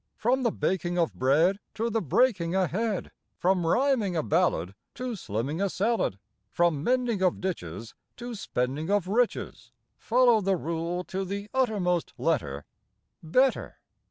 From the baking of bread To the breaking a head, From rhyming a ballad To sliming a salad, From mending of ditches To spending of riches, Follow the rule to the uttermost letter: "Better!"